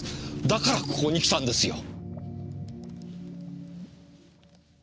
だからここに来たんですよ。